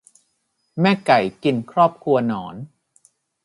แม่ไก่กินครอบครัวหนอน